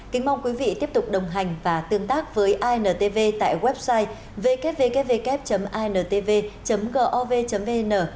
kính mong quý vị tiếp tục đồng hành và tương tác với intv tại website ww intv gov vn